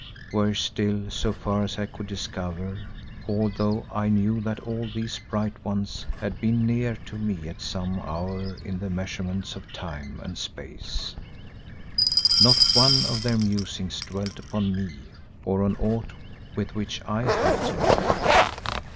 Worse still, so far as I could discover, although I knew that all these bright ones had been near to me at some hour in the measurements of time and space, not one of their musings dwelt upon me or on aught with which I had to do.